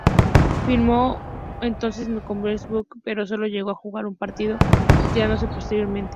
Firmó entonces con Milwaukee Bucks, pero sólo llegó a jugar un partido, retirándose posteriormente.